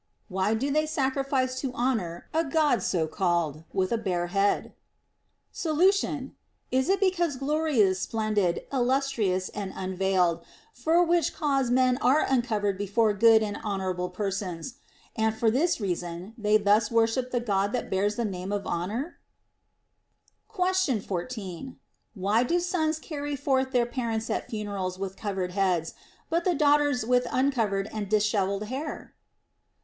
Why do they sacrifice to Honor (a God so called) with a bare head ] Solution. Is it because glory is splendid, illustrious, and unveiled, for which cause men are uncovered before good and honorable persons ; and for this reason they thus wor ship the God that bears the name of honor] Question 1Ί. Why do sons carry forth their parents at funerals with covered heads, but the daughters with uncov ered and dishevelled hair'?